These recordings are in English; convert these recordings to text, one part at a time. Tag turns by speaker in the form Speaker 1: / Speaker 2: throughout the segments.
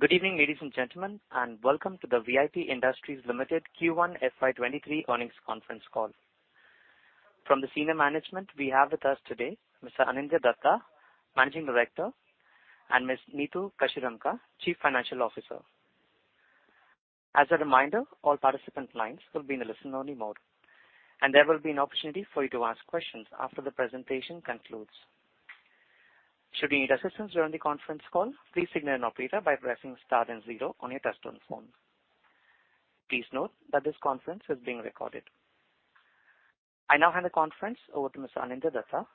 Speaker 1: Good evening, ladies and gentlemen, and welcome to the VIP Industries Limited Q1 FY23 earnings conference call. From the Senior Management, we have with us today Mr. Anindya Dutta, Managing Director, and Ms. Neetu Kashiramka, Chief Financial Officer. As a reminder, all participant lines will be in the listen-only mode, and there will be an opportunity for you to ask questions after the presentation concludes. Should you need assistance during the conference call, please signal an operator by pressing star and zero on your desktop phone. Please note that this conference is being recorded. I now hand the conference over to Mr. Anindya Dutta,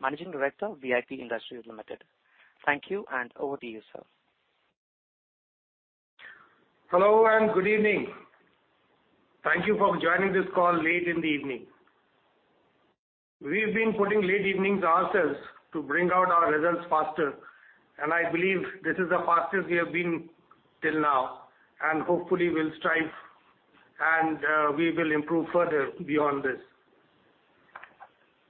Speaker 1: Managing Director of VIP Industries Limited. Thank you, and over to you, sir.
Speaker 2: Hello and good evening. Thank you for joining this call late in the evening. We've been putting late evenings ourselves to bring out our results faster, and I believe this is the fastest we have been till now, and hopefully we'll strive and we will improve further beyond this.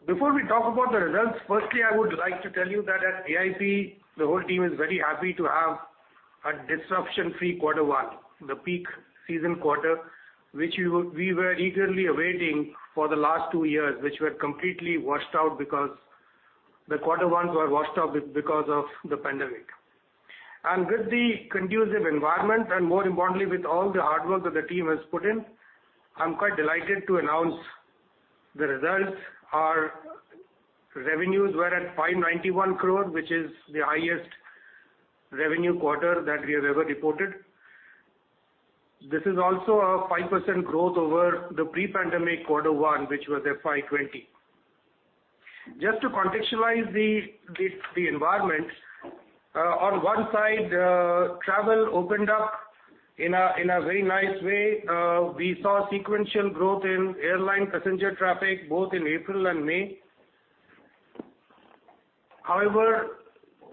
Speaker 2: Before we talk about the results, firstly I would like to tell you that at VIP, the whole team is very happy to have a disruption-free quarter one, the peak season quarter, which we were eagerly awaiting for the last two years, which were completely washed out because the quarter ones were washed out because of the pandemic. And with the conducive environment, and more importantly, with all the hard work that the team has put in, I'm quite delighted to announce the results. Our revenues were at 591 crore, which is the highest revenue quarter that we have ever reported. This is also a 5% growth over the pre-pandemic quarter one, which was FY20. Just to contextualize the environment, on one side, travel opened up in a very nice way. We saw sequential growth in airline passenger traffic both in April and May. However,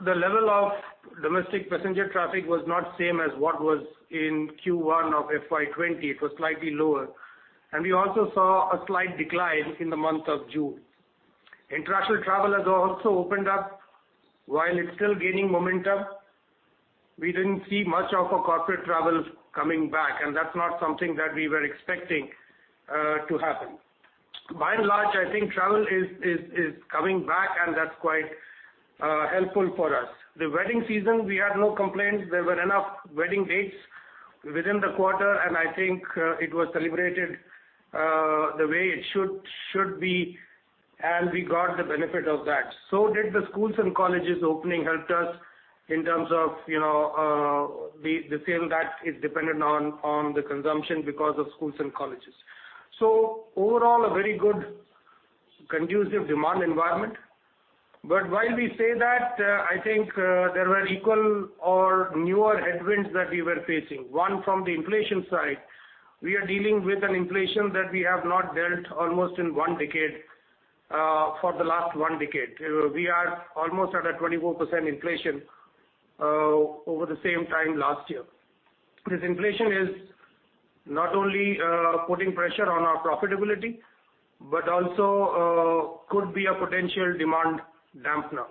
Speaker 2: the level of domestic passenger traffic was not the same as what was in Q1 of FY20. It was slightly lower, and we also saw a slight decline in the month of June. International travel has also opened up. While it's still gaining momentum, we didn't see much of corporate travel coming back, and that's not something that we were expecting to happen. By and large, I think travel is coming back, and that's quite helpful for us. The wedding season, we had no complaints. There were enough wedding dates within the quarter, and I think it was celebrated the way it should be, and we got the benefit of that. So did the schools and colleges opening helped us in terms of the sale that is dependent on the consumption because of schools and colleges. So overall, a very good conducive demand environment. But while we say that, I think there were equal or newer headwinds that we were facing. One, from the inflation side, we are dealing with an inflation that we have not dealt almost in one decade for the last one decade. We are almost at a 24% inflation over the same time last year. This inflation is not only putting pressure on our profitability but also could be a potential demand dampener.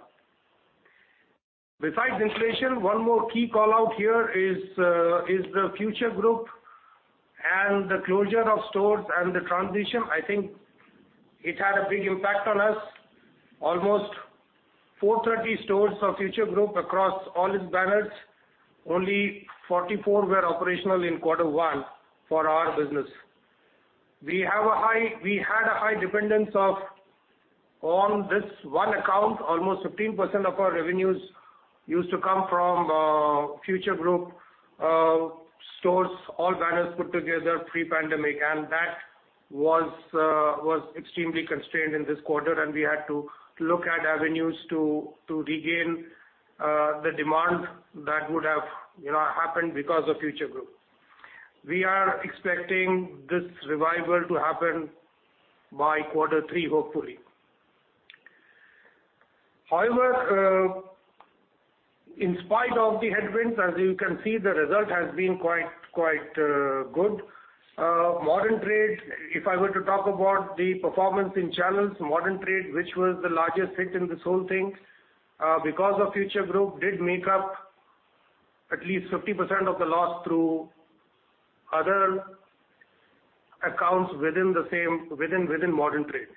Speaker 2: Besides inflation, one more key callout here is the Future Group and the closure of stores and the transition. I think it had a big impact on us. Almost 430 stores of Future Group across all its banners, only 44 were operational in quarter one for our business. We had a high dependence on this one account. Almost 15% of our revenues used to come from Future Group stores, all banners put together pre-pandemic, and that was extremely constrained in this quarter, and we had to look at avenues to regain the demand that would have happened because of Future Group. We are expecting this revival to happen by quarter three, hopefully. However, in spite of the headwinds, as you can see, the result has been quite good. Modern Trade, if I were to talk about the performance in channels, Modern Trade, which was the largest hit in this whole thing because of Future Group, did make up at least 50% of the loss through other accounts within Modern Trade,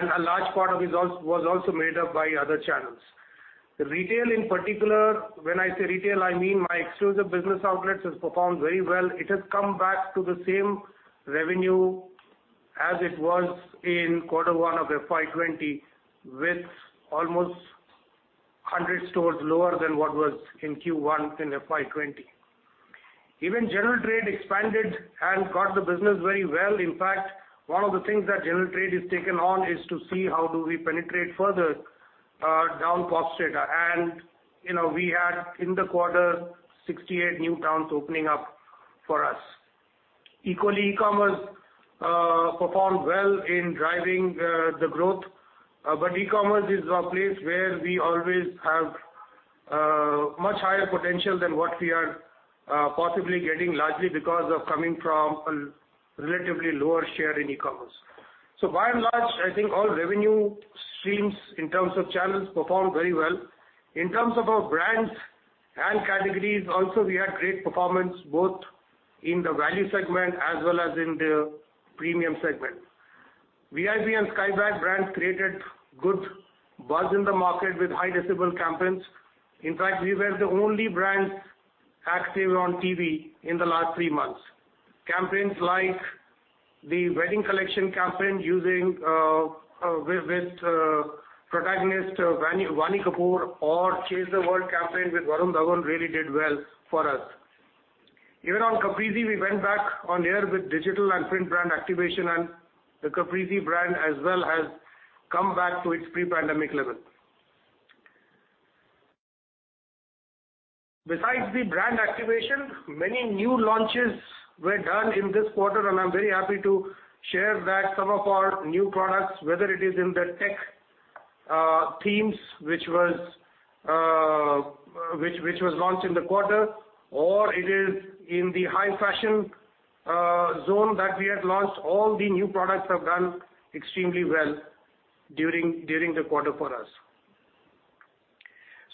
Speaker 2: and a large part of it was also made up by other channels. Retail, in particular, when I say retail, I mean my exclusive business outlets have performed very well. It has come back to the same revenue as it was in quarter one of FY20, with almost 100 stores lower than what was in Q1 in FY20. Even general trade expanded and got the business very well. In fact, one of the things that general trade has taken on is to see how do we penetrate further down Pop Strata, and we had, in the quarter, 68 new towns opening up for us. Equally, e-commerce performed well in driving the growth, but e-commerce is a place where we always have much higher potential than what we are possibly getting, largely because of coming from a relatively lower share in e-commerce. So by and large, I think all revenue streams in terms of channels performed very well. In terms of our brands and categories, also, we had great performance both in the value segment as well as in the premium segment. VIP and Skybags brands created good buzz in the market with high-decibel campaigns. In fact, we were the only brands active on TV in the last three months. Campaigns like the wedding collection campaign with protagonist Vaani Kapoor or Chase the World campaign with Varun Dhawan really did well for us. Even on Caprese, we went back on air with digital and print brand activation, and the Caprese brand as well has come back to its pre-pandemic level. Besides the brand activation, many new launches were done in this quarter, and I'm very happy to share that some of our new products, whether it is in the tech themes, which was launched in the quarter, or it is in the high fashion zone that we had launched, all the new products have done extremely well during the quarter for us.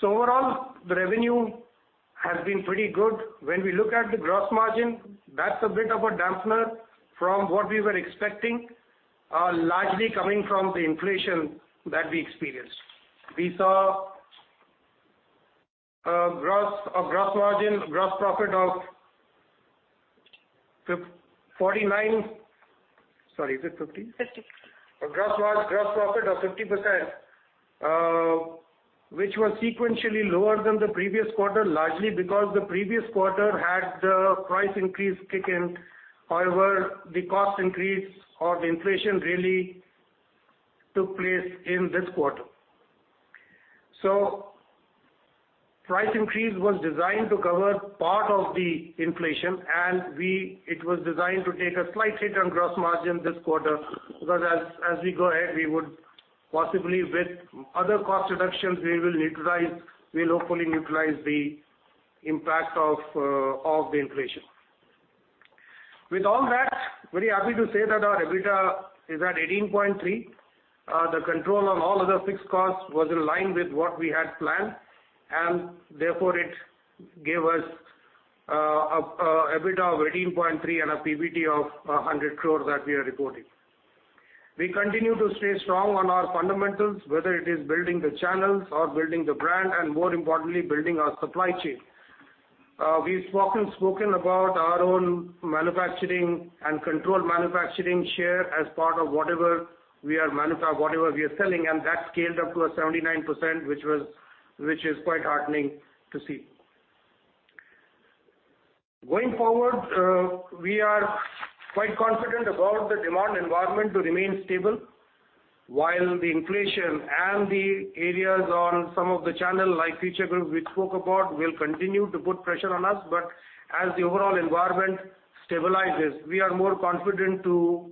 Speaker 2: So overall, the revenue has been pretty good. When we look at the gross margin, that's a bit of a dampener from what we were expecting, largely coming from the inflation that we experienced. We saw a gross margin, gross profit of 49, sorry, is it 50?
Speaker 3: 50. A gross margin, gross profit of 50%, which was sequentially lower than the previous quarter, largely because the previous quarter had the price increase kick in. However, the cost increase or the inflation really took place in this quarter. So price increase was designed to cover part of the inflation, and it was designed to take a slight hit on gross margin this quarter because as we go ahead, we would possibly, with other cost reductions, we will neutralize we'll hopefully neutralize the impact of the inflation. With all that, very happy to say that our EBITDA is at 18.3%. The control on all other fixed costs was in line with what we had planned, and therefore it gave us an EBITDA of 18.3% and a PBT of 100 crore that we are reporting. We continue to stay strong on our fundamentals, whether it is building the channels or building the brand, and more importantly, building our supply chain. We've spoken about our own manufacturing and contract manufacturing share as part of whatever we are selling, and that scaled up to a 79%, which is quite heartening to see. Going forward, we are quite confident about the demand environment to remain stable while the inflation and the arrears on some of the channel, like Future Group we spoke about, will continue to put pressure on us. But as the overall environment stabilizes, we are more confident to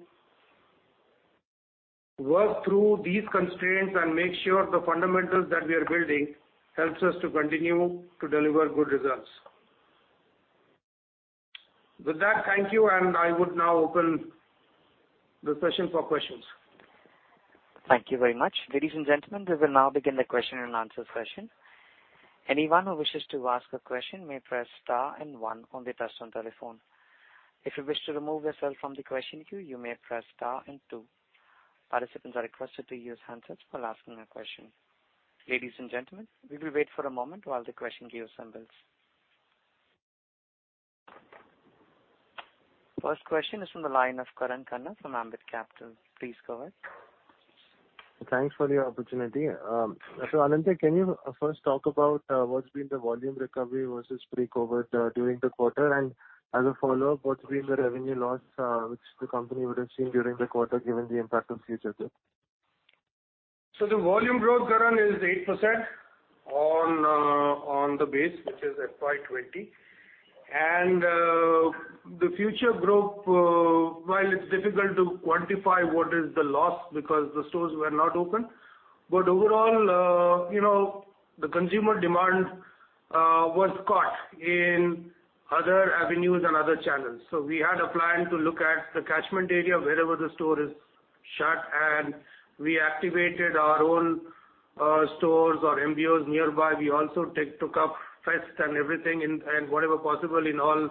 Speaker 3: work through these constraints and make sure the fundamentals that we are building help us to continue to deliver good results. With that, thank you, and I would now open the session for questions.
Speaker 1: Thank you very much. Ladies and gentlemen, we will now begin the question-and-answer session. Anyone who wishes to ask a question may press star and one on the desktop telephone. If you wish to remove yourself from the question queue, you may press star and two. Participants are requested to use hands up while asking a question. Ladies and gentlemen, we will wait for a moment while the question queue assembles. First question is from the line of Karan Khanna from Ambit Capital. Please go ahead.
Speaker 4: Thanks for the opportunity. So Anindya, can you first talk about what's been the volume recovery versus pre-COVID during the quarter, and as a follow-up, what's been the revenue loss which the company would have seen during the quarter given the impact of Future Group?
Speaker 2: So the volume growth, Karan, is 8% on the base, which is FY20. The Future Group, while it's difficult to quantify what is the loss because the stores were not open, but overall, the consumer demand was caught in other avenues and other channels. So we had a plan to look at the catchment area wherever the store is shut, and we activated our own stores or MBOs nearby. We also took up fests and everything and whatever possible in all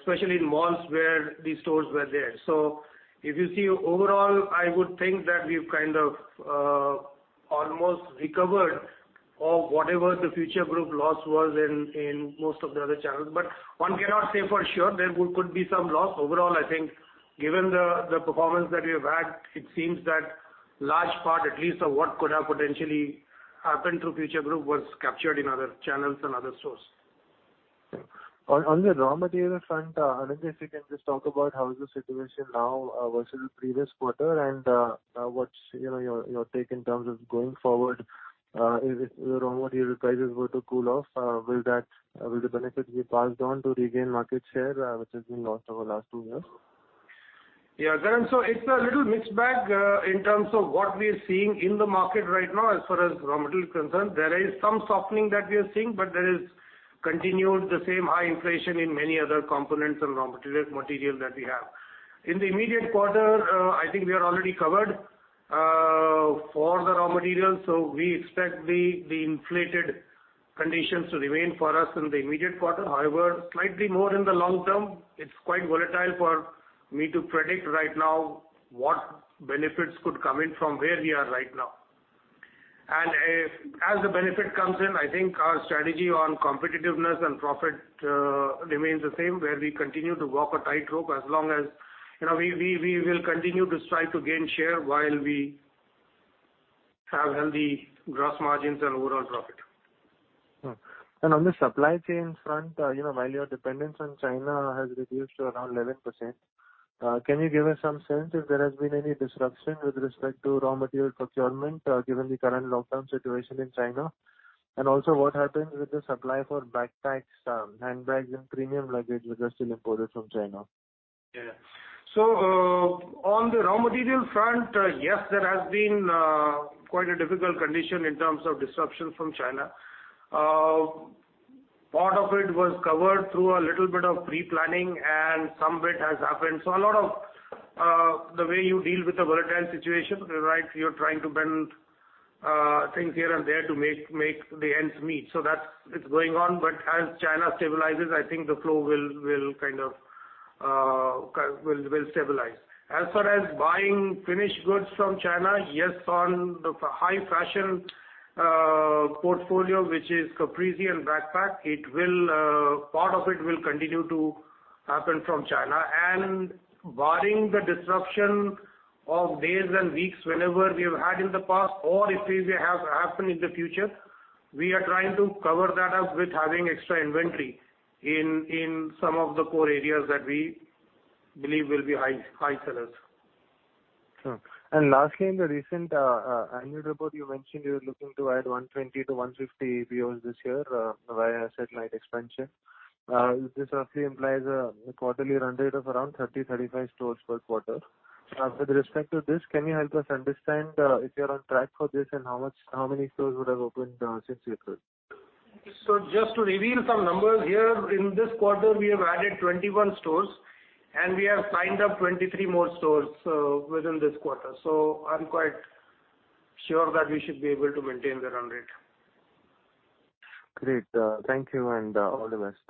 Speaker 2: especially in malls where the stores were there. So if you see overall, I would think that we've kind of almost recovered of whatever the Future Group loss was in most of the other channels. But one cannot say for sure. There could be some loss. Overall, I think given the performance that we have had, it seems that large part, at least, of what could have potentially happened through Future Group was captured in other channels and other stores.
Speaker 4: On the raw material front, Anindya, if you can just talk about how's the situation now versus the previous quarter and what's your take in terms of going forward. If the raw material prices were to cool off, will the benefits be passed on to regain market share, which has been lost over the last two years?
Speaker 2: Yeah, Karan. So it's a little mixed bag in terms of what we are seeing in the market right now as far as raw material is concerned. There is some softening that we are seeing, but there is continued the same high inflation in many other components and raw material that we have. In the immediate quarter, I think we are already covered for the raw materials, so we expect the inflated conditions to remain for us in the immediate quarter. However, slightly more in the long term, it's quite volatile for me to predict right now what benefits could come in from where we are right now. As the benefit comes in, I think our strategy on competitiveness and profit remains the same, where we continue to walk a tight rope as long as we will continue to strive to gain share while we have healthy gross margins and overall profit.
Speaker 4: On the supply chain front, while your dependence on China has reduced to around 11%, can you give us some sense if there has been any disruption with respect to raw material procurement given the current lockdown situation in China? Also, what happens with the supply for backpacks, handbags, and premium luggage that are still imported from China?
Speaker 2: Yeah. So on the raw material front, yes, there has been quite a difficult condition in terms of disruption from China. Part of it was covered through a little bit of pre-planning, and some bit has happened. So a lot of the way you deal with the volatile situation, right, you're trying to bend things here and there to make the ends meet. So it's going on, but as China stabilizes, I think the flow will kind of stabilize. As far as buying finished goods from China, yes, on the high fashion portfolio, which is Caprese and backpack, part of it will continue to happen from China. Barring the disruption of days and weeks whenever we have had in the past or if it happened in the future, we are trying to cover that up with having extra inventory in some of the core areas that we believe will be high sellers.
Speaker 4: And lastly, in the recent annual report, you mentioned you were looking to add 120-150 EBOs this year via a selling expansion. This roughly implies a quarterly run rate of around 30-35 stores per quarter. With respect to this, can you help us understand if you're on track for this and how many stores would have opened since April?
Speaker 2: Just to reveal some numbers here, in this quarter, we have added 21 stores, and we have signed up 23 more stores within this quarter. I'm quite sure that we should be able to maintain the run rate.
Speaker 4: Great. Thank you, and all the best.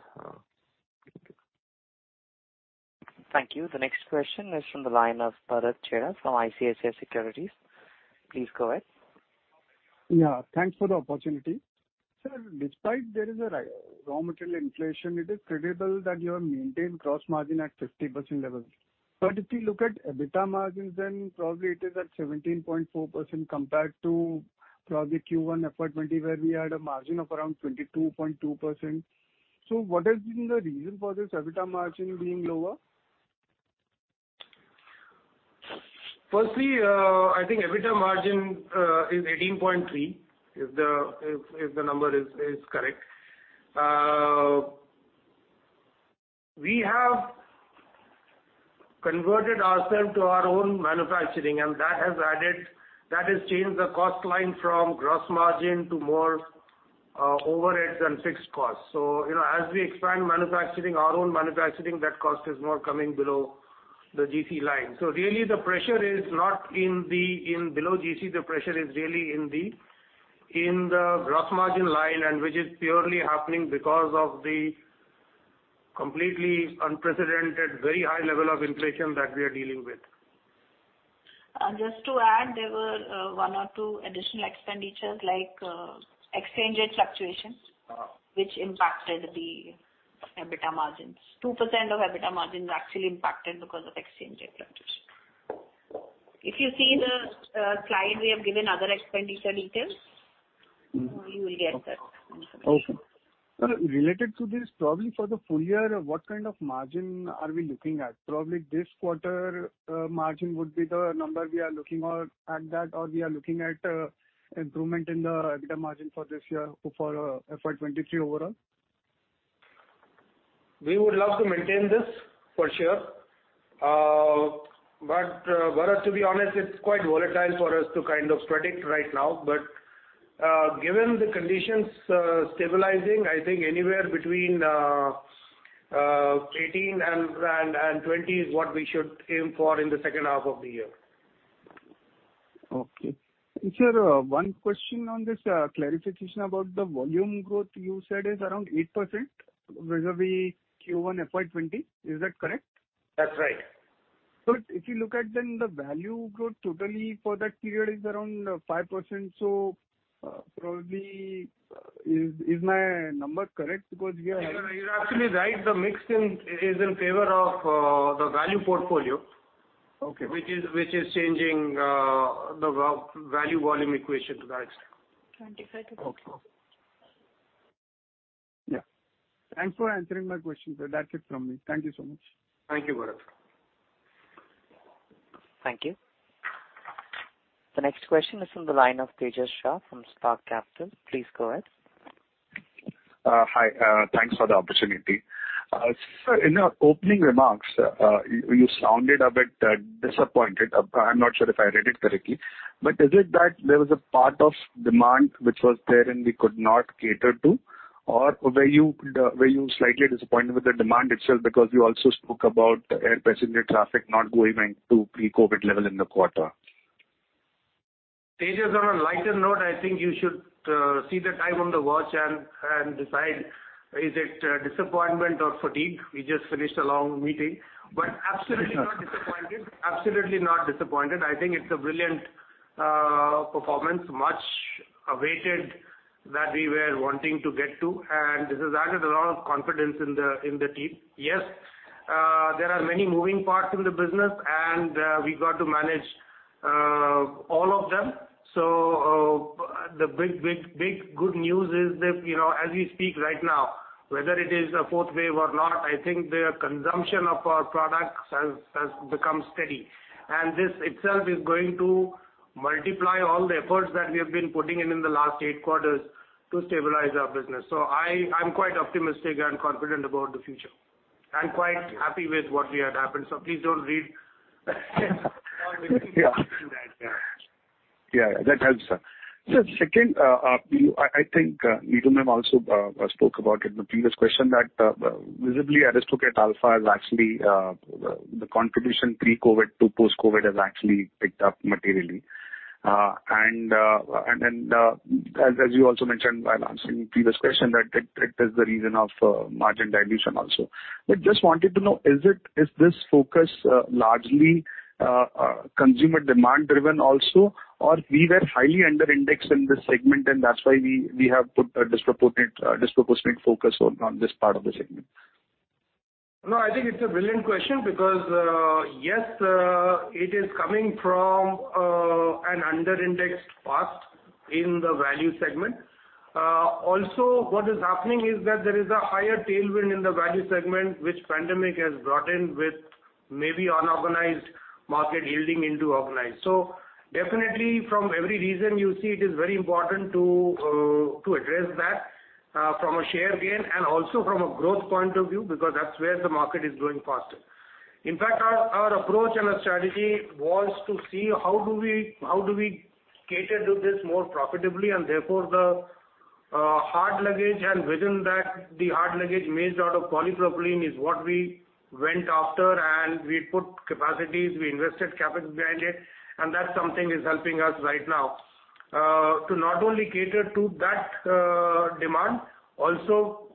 Speaker 1: Thank you. The next question is from the line of Bharat Chhoda from ICICI Securities. Please go ahead.
Speaker 5: Yeah. Thanks for the opportunity. Sir, despite there is a raw material inflation, it is incredible that you have maintained gross margin at 50% level. But if you look at EBITDA margins, then probably it is at 17.4% compared to probably Q1 FY20, where we had a margin of around 22.2%. So what has been the reason for this EBITDA margin being lower?
Speaker 2: Firstly, I think EBITDA margin is 18.3%, if the number is correct. We have converted ourselves to our own manufacturing, and that has changed the cost line from gross margin to more overheads and fixed costs. So as we expand manufacturing, our own manufacturing, that cost is more coming below the GC line. So really, the pressure is not below GC. The pressure is really in the gross margin line, which is purely happening because of the completely unprecedented, very high level of inflation that we are dealing with.
Speaker 3: Just to add, there were one or two additional expenditures like exchange rate fluctuation, which impacted the EBITDA margins. 2% of EBITDA margins actually impacted because of exchange rate fluctuation. If you see the slide, we have given other expenditure details. You will get that information.
Speaker 5: Okay. Related to this, probably for the full year, what kind of margin are we looking at? Probably this quarter margin would be the number we are looking at that, or we are looking at improvement in the EBITDA margin for this year for FY23 overall?
Speaker 2: We would love to maintain this for sure. But to be honest, it's quite volatile for us to kind of predict right now. But given the conditions stabilizing, I think anywhere between 18 and 20 is what we should aim for in the second half of the year.
Speaker 5: Okay. Sir, one question on this clarification about the volume growth you said is around 8% vis-à-vis Q1 FY20. Is that correct?
Speaker 2: That's right.
Speaker 5: But if you look at then, the value growth totally for that period is around 5%. So probably, is my number correct because we are having?
Speaker 2: You're actually right. The mix is in favor of the value portfolio, which is changing the value-volume equation to that extent.
Speaker 3: 25%.
Speaker 5: Okay. Yeah. Thanks for answering my question, sir. That's it from me. Thank you so much.
Speaker 2: Thank you, Bharat.
Speaker 1: Thank you. The next question is from the line of Tejas Shah from Spark Capital. Please go ahead.
Speaker 6: Hi. Thanks for the opportunity. Sir, in your opening remarks, you sounded a bit disappointed. I'm not sure if I read it correctly. But is it that there was a part of demand which was there and we could not cater to, or were you slightly disappointed with the demand itself because you also spoke about air passenger traffic not going to pre-COVID level in the quarter?
Speaker 2: Tejas, on a lighter note, I think you should see the time on the watch and decide, is it disappointment or fatigue. We just finished a long meeting. But absolutely not disappointed. Absolutely not disappointed. I think it's a brilliant performance, much awaited that we were wanting to get to, and this has added a lot of confidence in the team. Yes, there are many moving parts in the business, and we got to manage all of them. So the big, big, big good news is that as we speak right now, whether it is a fourth wave or not, I think the consumption of our products has become steady. And this itself is going to multiply all the efforts that we have been putting in in the last eight quarters to stabilize our business. I'm quite optimistic and confident about the future and quite happy with what we had happened. Please don't read that.
Speaker 6: Yeah. That helps, sir. Sir, second, I think Neetu also spoke about it in the previous question, that visibly, Aristocrat, Alfa, the contribution pre-COVID to post-COVID has actually picked up materially. And then as you also mentioned while answering the previous question, that is the reason of margin dilution also. But just wanted to know, is this focus largely consumer demand-driven also, or we were highly under-indexed in this segment, and that's why we have put a disproportionate focus on this part of the segment?
Speaker 2: No, I think it's a brilliant question because yes, it is coming from an under-indexed part in the value segment. Also, what is happening is that there is a higher tailwind in the value segment, which the pandemic has brought in with maybe unorganized market yielding into organized. So definitely, from every reason you see, it is very important to address that from a share gain and also from a growth point of view because that's where the market is going faster. In fact, our approach and our strategy was to see how do we cater to this more profitably, and therefore, the hard luggage and within that, the hard luggage made out of polypropylene is what we went after, and we put capacities. We invested CapEx behind it, and that's something is helping us right now to not only cater to that demand, also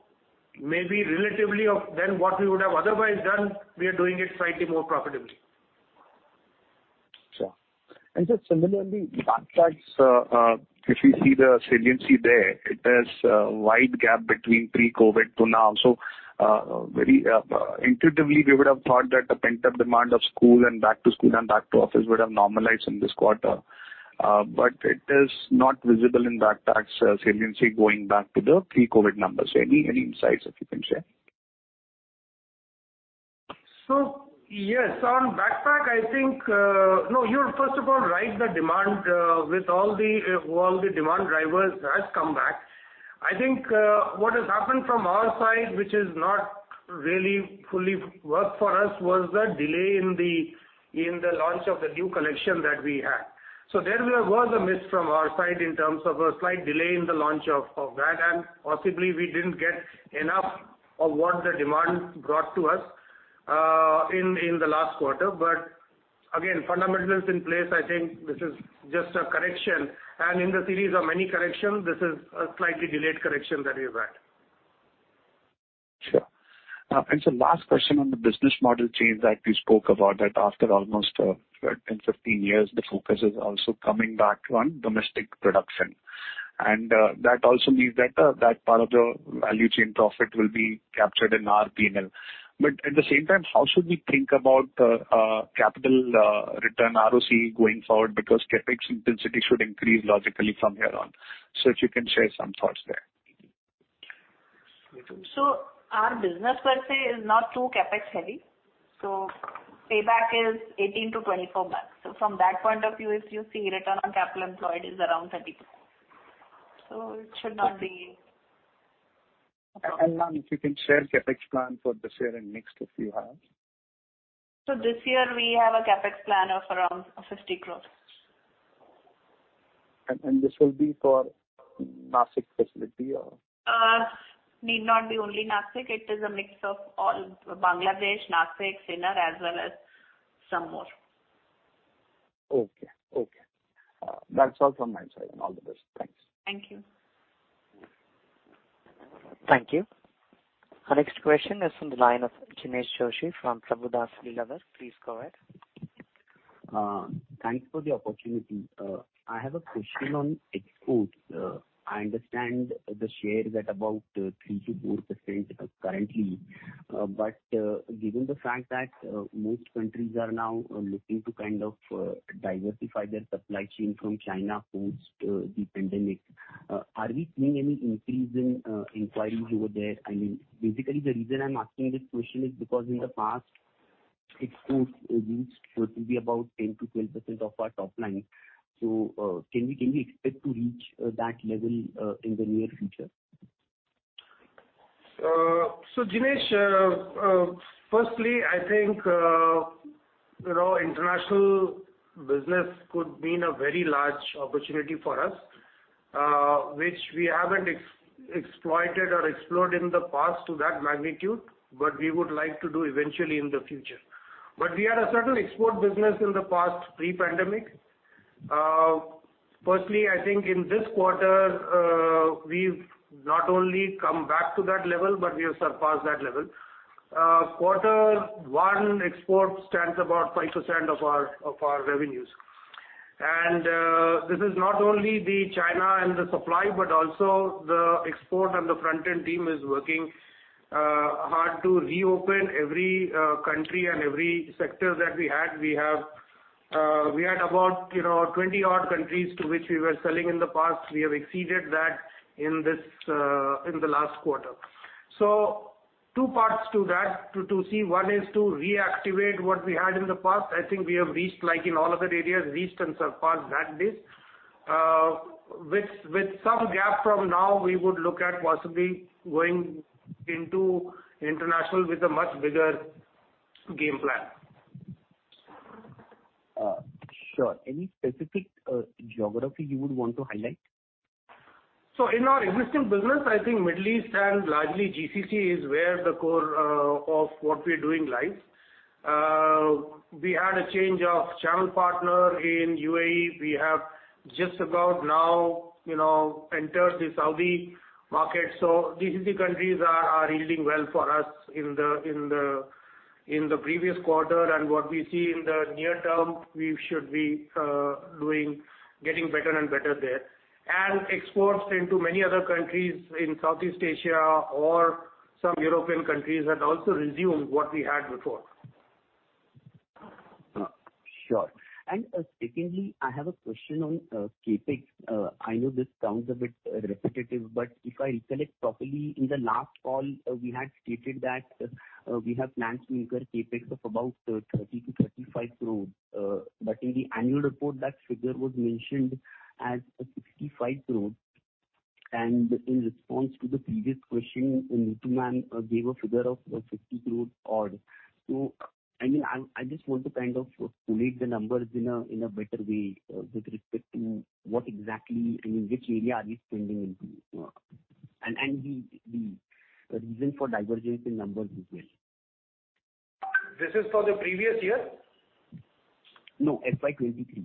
Speaker 2: maybe relatively than what we would have otherwise done, we are doing it slightly more profitably.
Speaker 6: Sure. And sir, similarly, backpacks, if we see the saliency there, it has a wide gap between pre-COVID to now. So very intuitively, we would have thought that the pent-up demand of school and back-to-school and back-to-office would have normalized in this quarter, but it is not visible in backpacks saliency going back to the pre-COVID numbers. Any insights if you can share?
Speaker 2: So yes, on backpack, I think no, you're first of all right that demand with all the demand drivers has come back. I think what has happened from our side, which has not really fully worked for us, was the delay in the launch of the new collection that we had. So there was a miss from our side in terms of a slight delay in the launch of that, and possibly, we didn't get enough of what the demand brought to us in the last quarter. But again, fundamentals in place, I think this is just a correction. And in the series of many corrections, this is a slightly delayed correction that we've had.
Speaker 6: Sure. And sir, last question on the business model change that you spoke about, that after almost 10, 15 years, the focus is also coming back on domestic production. And that also means that that part of the value chain profit will be captured in our P&L. But at the same time, how should we think about capital return ROC going forward because Capex intensity should increase logically from here on? So if you can share some thoughts there.
Speaker 3: Our business, per se, is not too CapEx-heavy. Payback is 18-24 months. From that point of view, if you see return on capital employed, it is around 30%. It should not be.
Speaker 6: Ma'am, if you can share Capex plan for this year and next if you have.
Speaker 3: This year, we have a CapEx plan of around 50 crores.
Speaker 6: This will be for Nashik facility, or?
Speaker 3: Need not be only Nashik. It is a mix of all Bangladesh, Nashik, Sinnar, as well as some more.
Speaker 6: Okay. Okay. That's all from my side, and all the best. Thanks.
Speaker 3: Thank you.
Speaker 1: Thank you. Our next question is from the line of Jinesh Joshi from Prabhudas Lilladher. Please go ahead.
Speaker 7: Thanks for the opportunity. I have a question on exports. I understand the share is at about 3%-4% currently, but given the fact that most countries are now looking to kind of diversify their supply chain from China post the pandemic, are we seeing any increase in inquiries over there? I mean, basically, the reason I'm asking this question is because in the past, exports used to be about 10%-12% of our top line. So can we expect to reach that level in the near future?
Speaker 2: So Jinesh, firstly, I think international business could mean a very large opportunity for us, which we haven't exploited or explored in the past to that magnitude, but we would like to do eventually in the future. But we had a certain export business in the past pre-pandemic. Firstly, I think in this quarter, we've not only come back to that level, but we have surpassed that level. Quarter one, exports stand about 5% of our revenues. And this is not only the China and the supply, but also the export and the front-end team is working hard to reopen every country and every sector that we had. We had about 20-odd countries to which we were selling in the past. We have exceeded that in the last quarter. So two parts to that to see. One is to reactivate what we had in the past. I think we have reached, like in all other areas, reached and surpassed that base. With some gap from now, we would look at possibly going into international with a much bigger game plan.
Speaker 7: Sure. Any specific geography you would want to highlight?
Speaker 2: So in our existing business, I think Middle East and largely GCC is where the core of what we're doing lies. We had a change of channel partner in UAE. We have just about now entered the Saudi market. So these are the countries that are yielding well for us in the previous quarter. And what we see in the near term, we should be getting better and better there. And exports into many other countries in Southeast Asia or some European countries had also resumed what we had before.
Speaker 7: Sure. And secondly, I have a question on CapEx. I know this sounds a bit repetitive, but if I recollect properly, in the last call, we had stated that we have plans to incur CapEx of about 30-35 crores. But in the annual report, that figure was mentioned as 65 crores. And in response to the previous question, Neetu gave a figure of 50 crores odd. So I mean, I just want to kind of put the numbers in a better way with respect to what exactly I mean, which area are we spending into and the reason for divergence in numbers as well.
Speaker 2: This is for the previous year?
Speaker 7: No, FY23.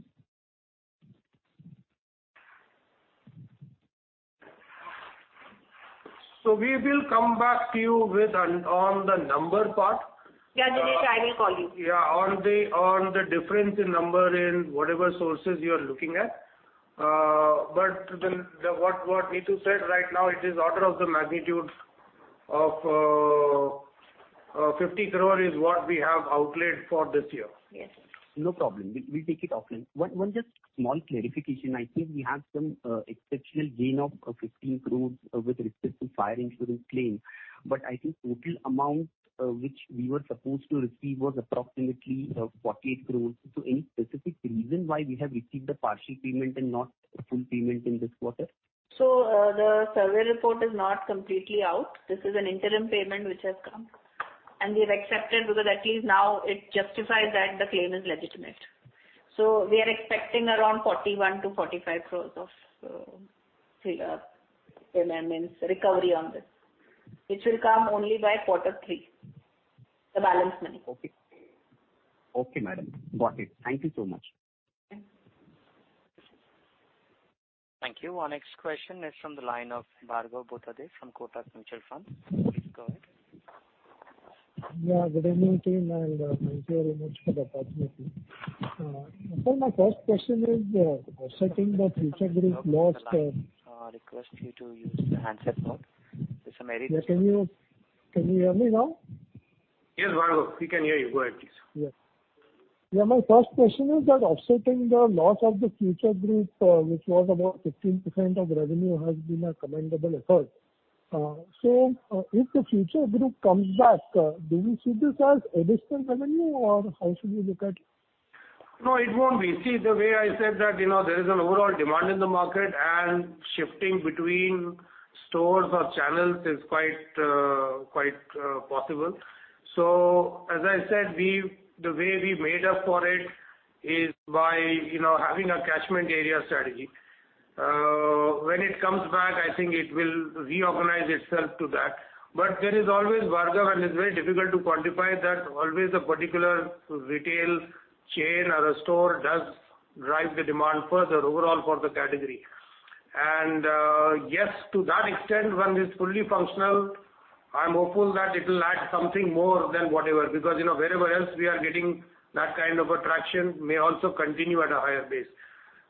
Speaker 2: So we will come back to you on the number part.
Speaker 3: Yeah, Jinesh, I will call you. Yeah, on the difference in number in whatever sources you are looking at. But what Neetu said, right now, it is order of the magnitude of 50 crore is what we have outlaid for this year. Yes.
Speaker 7: No problem. We'll take it offline. One just small clarification. I think we have some exceptional gain of 15 crore with respect to fire insurance claims. But I think total amount which we were supposed to receive was approximately 48 crore. So any specific reason why we have received a partial payment and not full payment in this quarter?
Speaker 3: So the survey report is not completely out. This is an interim payment which has come, and we have accepted because at least now it justifies that the claim is legitimate. So we are expecting around 41 crores-45 crores of recovery on this, which will come only by quarter three, the balance money.
Speaker 7: Okay. Okay, madam. Got it. Thank you so much.
Speaker 1: Thank you. Our next question is from the line of Bhargav Buddhadev from Kotak Mutual Fund. Please go ahead.
Speaker 8: Yeah, good evening, team, and thank you very much for the opportunity. Sir, my first question is on the Future Group loss.
Speaker 1: I request you to use the handset mode. There's some errors.
Speaker 8: Yeah, can you hear me now?
Speaker 2: Yes, Bhargav. We can hear you. Go ahead, please.
Speaker 8: Yeah. Yeah, my first question is that offsetting the loss of the Future Group, which was about 15% of revenue, has been a commendable effort. So if the Future Group comes back, do we see this as additional revenue, or how should we look at it?
Speaker 2: No, it won't be. See, the way I said that there is an overall demand in the market, and shifting between stores or channels is quite possible. So as I said, the way we made up for it is by having a catchment area strategy. When it comes back, I think it will reorganize itself to that. But there is always Bhargav, and it's very difficult to quantify that always a particular retail chain or a store does drive the demand further overall for the category. And yes, to that extent, when it's fully functional, I'm hopeful that it will add something more than whatever because wherever else we are getting that kind of attraction may also continue at a higher base.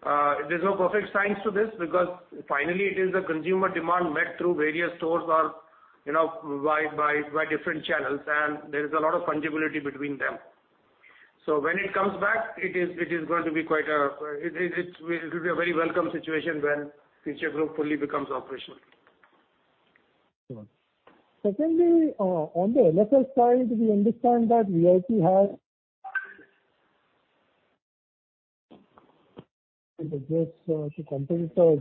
Speaker 2: There's no perfect science to this because finally, it is the consumer demand met through various stores or by different channels, and there is a lot of fungibility between them. So when it comes back, it is going to be quite a. It will be a very welcome situation when Future Group fully becomes operational.
Speaker 8: Secondly, on the LFS side, we understand that VIP has to address the competitors.
Speaker 1: Is that a request? Can you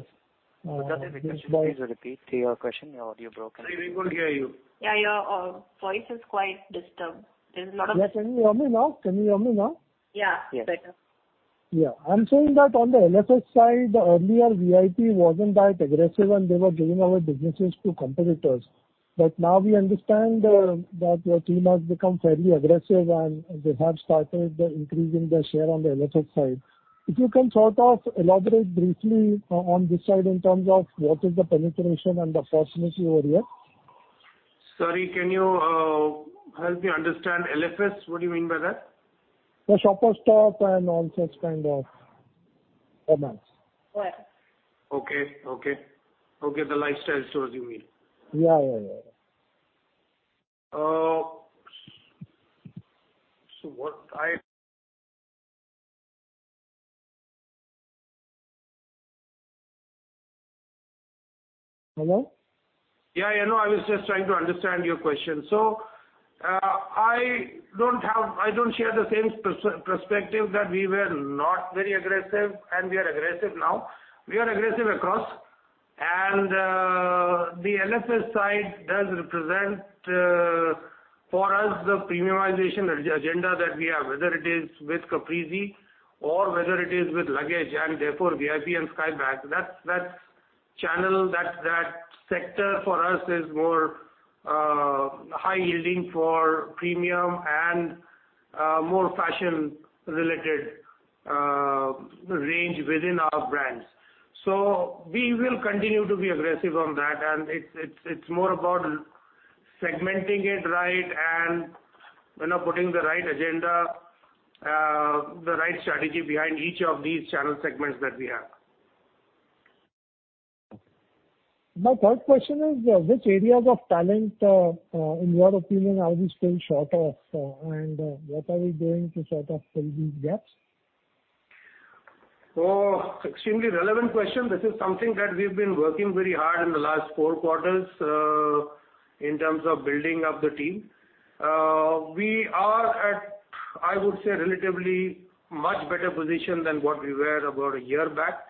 Speaker 1: please repeat your question? Your audio is broken.
Speaker 2: Sorry, we couldn't hear you.
Speaker 3: Yeah, your voice is quite disturbed. There's a lot of.
Speaker 8: Yeah, can you hear me now? Can you hear me now?
Speaker 3: Yeah, better.
Speaker 8: Yeah, I'm saying that on the LFS side, earlier, VIP wasn't that aggressive, and they were giving away businesses to competitors. But now we understand that your team has become fairly aggressive, and they have started increasing their share on the LFS side. If you can sort of elaborate briefly on this side in terms of what is the penetration and the opportunity over here?
Speaker 2: Sorry, can you help me understand LFS? What do you mean by that?
Speaker 8: The Shoppers Stop and all such kind of formats.
Speaker 3: What?
Speaker 2: Okay. Okay. Okay, the Lifestyle stores you mean.
Speaker 8: Yeah, yeah, yeah, yeah.
Speaker 2: So what I.
Speaker 8: Hello?
Speaker 2: Yeah, yeah, no, I was just trying to understand your question. So I don't share the same perspective that we were not very aggressive, and we are aggressive now. We are aggressive across. And the LFS side does represent for us the premiumization agenda that we have, whether it is with Caprese or whether it is with luggage, and therefore, VIP and Skybags. That sector for us is more high-yielding for premium and more fashion-related range within our brands. So we will continue to be aggressive on that, and it's more about segmenting it right and putting the right agenda, the right strategy behind each of these channel segments that we have.
Speaker 8: My third question is, which areas of talent, in your opinion, are we still short of, and what are we doing to sort of fill these gaps?
Speaker 2: Extremely relevant question. This is something that we've been working very hard in the last four quarters in terms of building up the team. We are at, I would say, relatively much better position than what we were about a year back.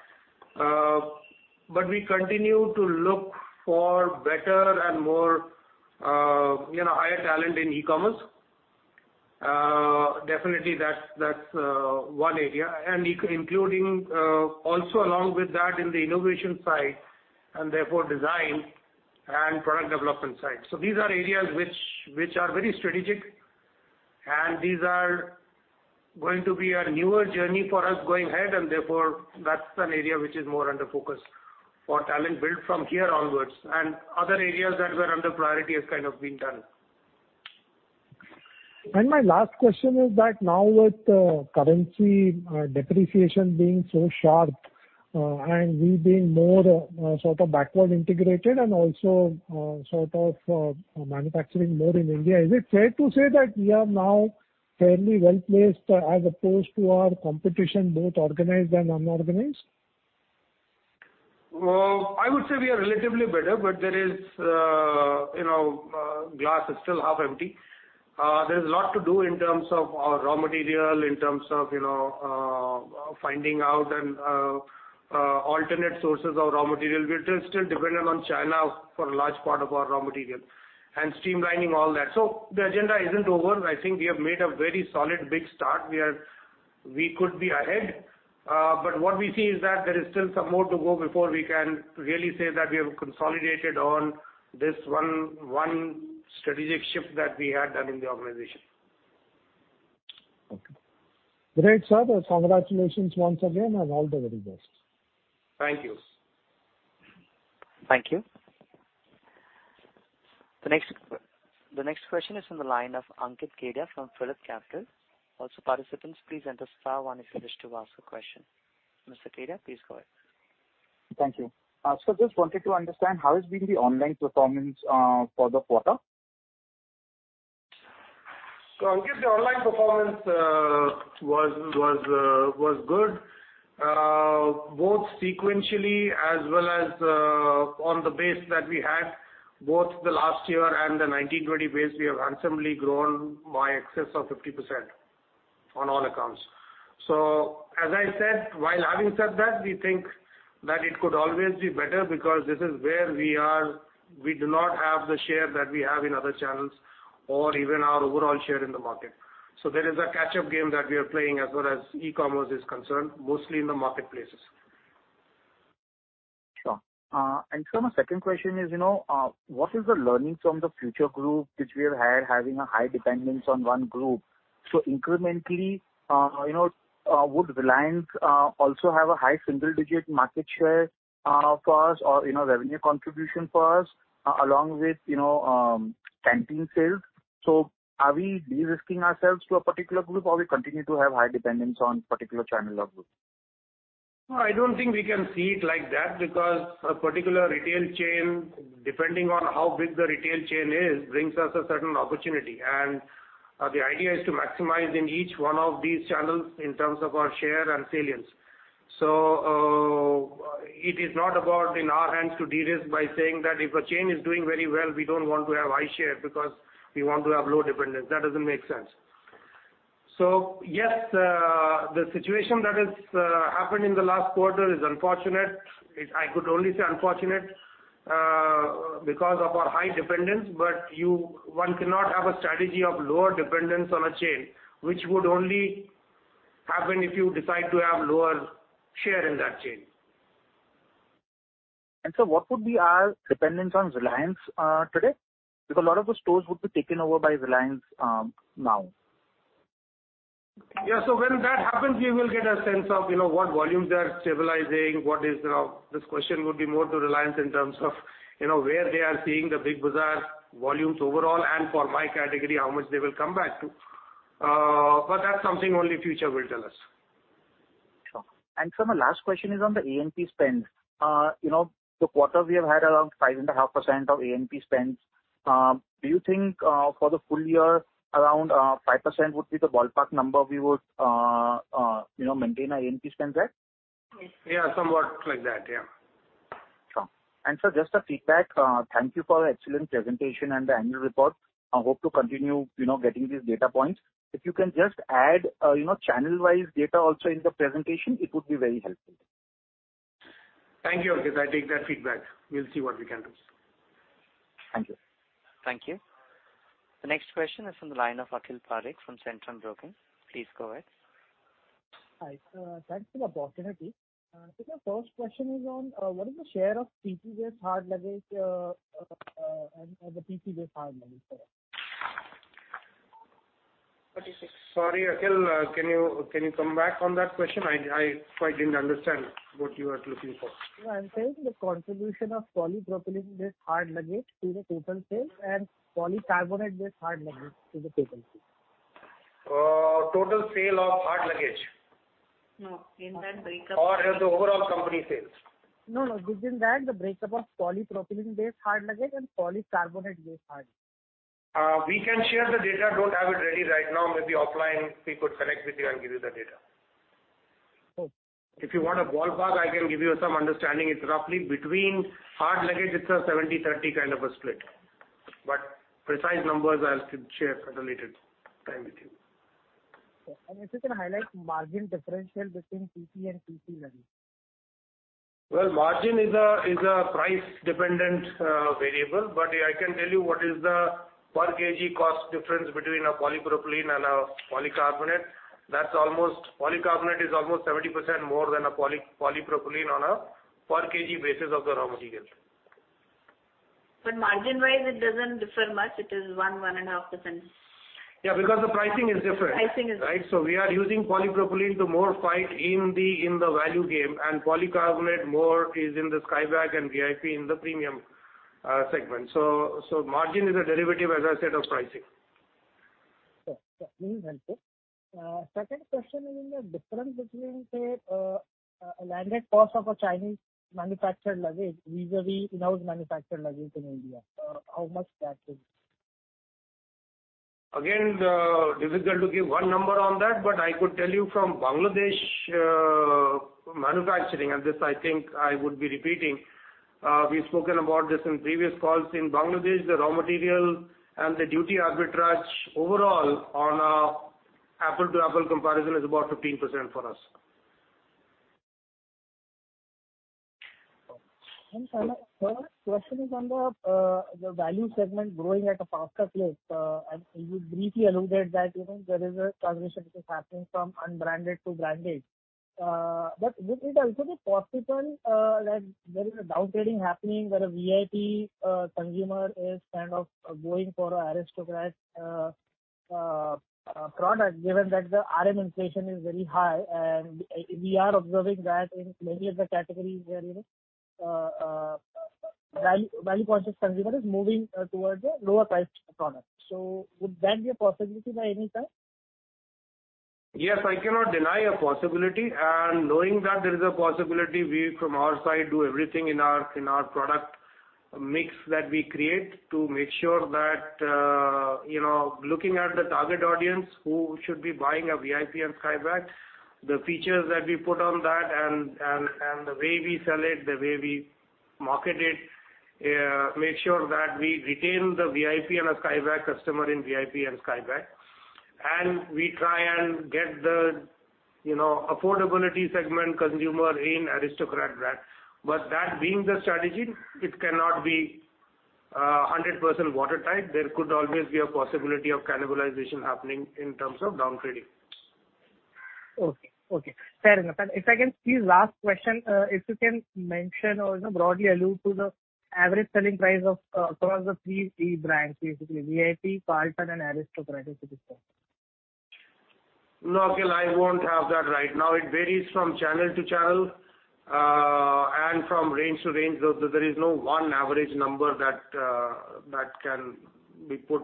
Speaker 2: But we continue to look for better and more higher talent in e-commerce. Definitely, that's one area, and also along with that in the innovation side and therefore design and product development side. So these are areas which are very strategic, and these are going to be a newer journey for us going ahead. And therefore, that's an area which is more under focus for talent build from here onwards. And other areas that were under priority have kind of been done.
Speaker 8: My last question is that now with currency depreciation being so sharp and we being more sort of backward integrated and also sort of manufacturing more in India, is it fair to say that we are now fairly well-placed as opposed to our competition, both organized and unorganized?
Speaker 2: I would say we are relatively better, but the glass is still half empty. There is a lot to do in terms of our raw material, in terms of finding out and alternate sources of raw material. We're still dependent on China for a large part of our raw material and streamlining all that. So the agenda isn't over. I think we have made a very solid big start. We could be ahead. But what we see is that there is still some more to go before we can really say that we have consolidated on this one strategic shift that we had done in the organization.
Speaker 8: Okay. Great, sir. Congratulations once again and all the very best.
Speaker 2: Thank you.
Speaker 1: Thank you. The next question is from the line of Ankit Kedia from Phillip Capital. Also, participants, please enter star one if you wish to ask a question. Mr. Kedia, please go ahead.
Speaker 9: Thank you. Sir, just wanted to understand how has been the online performance for the quarter?
Speaker 2: So, Ankit, the online performance was good both sequentially as well as on the base that we had both the last year and the 19-20 base. We have handsomely grown by excess of 50% on all accounts. So, as I said, while having said that, we think that it could always be better because this is where we do not have the share that we have in other channels or even our overall share in the market. So there is a catch-up game that we are playing as far as e-commerce is concerned, mostly in the marketplaces.
Speaker 9: Sure. And sir, my second question is, what is the learning from the Future Group which we have had having a high dependence on one group? So incrementally, would Reliance also have a high single-digit market share for us or revenue contribution for us along with canteen sales? So are we de-risking ourselves to a particular group, or we continue to have high dependence on a particular channel or group?
Speaker 2: No, I don't think we can see it like that because a particular retail chain, depending on how big the retail chain is, brings us a certain opportunity. And the idea is to maximize in each one of these channels in terms of our share and salience. So it is not about in our hands to de-risk by saying that if a chain is doing very well, we don't want to have high share because we want to have low dependence. That doesn't make sense. So yes, the situation that has happened in the last quarter is unfortunate. I could only say unfortunate because of our high dependence. But one cannot have a strategy of lower dependence on a chain, which would only happen if you decide to have lower share in that chain.
Speaker 9: Sir, what would be our dependence on Reliance today? Because a lot of the stores would be taken over by Reliance now.
Speaker 2: Yeah, so when that happens, we will get a sense of what volumes they are stabilizing, what is this question would be more to Reliance in terms of where they are seeing the Big Bazaar volumes overall and for my category, how much they will come back to. But that's something only Future will tell us.
Speaker 9: Sure. And sir, my last question is on the A&P spends. The quarter, we have had around 5.5% of A&P spends. Do you think for the full year, around 5% would be the ballpark number we would maintain our A&P spends at?
Speaker 2: Yeah, somewhat like that. Yeah.
Speaker 9: Sure. And sir, just a feedback, thank you for the excellent presentation and the annual report. I hope to continue getting these data points. If you can just add channel-wise data also in the presentation, it would be very helpful.
Speaker 2: Thank you, Ankit. I take that feedback. We'll see what we can do.
Speaker 9: Thank you.
Speaker 1: Thank you. The next question is from the line of Akhil Parekh from Centrum Broking. Please go ahead.
Speaker 10: Hi. Thanks for the opportunity. Sir, your first question is on what is the share of PC-based hard luggage and the PC-based hard luggage, sir?
Speaker 2: Sorry, Akhil, can you come back on that question? I quite didn't understand what you were looking for.
Speaker 10: No, I'm saying the contribution of polypropylene-based hard luggage to the total sales and polycarbonate-based hard luggage to the total sales.
Speaker 2: Total sale of hard luggage?
Speaker 3: No, in that breakup.
Speaker 2: Or the overall company sales?
Speaker 10: No, no. Within that, the breakup of polypropylene-based hard luggage and polycarbonate-based hard luggage.
Speaker 2: We can share the data. Don't have it ready right now. Maybe offline, we could connect with you and give you the data. If you want a ballpark, I can give you some understanding. It's roughly between hard luggage, it's a 70/30 kind of a split. But precise numbers, I'll share at a later time with you.
Speaker 10: If you can highlight margin differential between PC and PP luggage.
Speaker 2: Well, margin is a price-dependent variable, but I can tell you what is the per-kg cost difference between a polypropylene and a polycarbonate. Polycarbonate is almost 70% more than a polypropylene on a per-kg basis of the raw material.
Speaker 3: But margin-wise, it doesn't differ much. It is 1%-1.5%.
Speaker 2: Yeah, because the pricing is different, right? So we are using polypropylene to more fight in the value game, and polycarbonate more is in the Skybags and VIP in the premium segment. So margin is a derivative, as I said, of pricing.
Speaker 10: Sure, sure. This is helpful. Second question is in the difference between, say, a landed cost of a Chinese-manufactured luggage vis-à-vis in-house manufactured luggage in India. How much that is?
Speaker 2: Again, difficult to give one number on that, but I could tell you from Bangladesh manufacturing, and this, I think, I would be repeating. We've spoken about this in previous calls. In Bangladesh, the raw material and the duty arbitrage overall on an apples-to-apples comparison is about 15% for us.
Speaker 10: Sir, the question is on the value segment growing at a faster pace. You briefly alluded that there is a transition which is happening from unbranded to branded. But would it also be possible that there is a downtrading happening where a VIP consumer is kind of going for an Aristocrat product given that the RM inflation is very high? We are observing that in many of the categories where value-conscious consumers are moving towards a lower-priced product. Would that be a possibility by any time?
Speaker 2: Yes, I cannot deny a possibility. Knowing that there is a possibility, we, from our side, do everything in our product mix that we create to make sure that looking at the target audience who should be buying a VIP and Skybags, the features that we put on that and the way we sell it, the way we market it, make sure that we retain the VIP and a Skybags customer in VIP and Skybags. And we try and get the affordability segment consumer in Aristocrat brand. But that being the strategy, it cannot be 100% watertight. There could always be a possibility of cannibalization happening in terms of downtrading.
Speaker 10: Sir, if I can ask the last question, if you can mention or broadly allude to the average selling price across the three key brands, basically, VIP, Carlton, and Aristocrat.
Speaker 2: No, Akhil, I won't have that right now. It varies from channel to channel and from range to range. There is no one average number that can be put